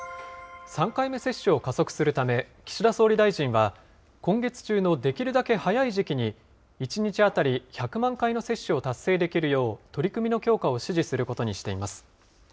３回目接種を加速するため、岸田総理大臣は、今月中のできるだけ早い時期に、１日当たり１００万回の接種を達成できるよう、取り組みの強化を指示することにしています。